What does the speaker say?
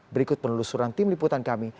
berikut penelusuran tim liputan kami